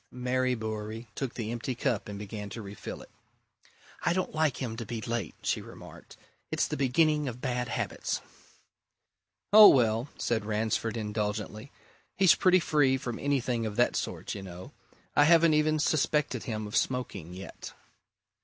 Mary Bewery took the empty cup and began to refill it. "I don't like him to be late," she remarked. "It's the beginning of bad habits." "Oh, well!" said Ransford indulgently. "He's pretty free from anything of that sort, you know. I haven't even suspected him of smoking, yet."